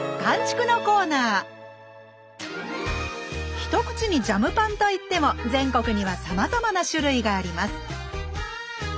一口にジャムパンといっても全国にはさまざまな種類があります。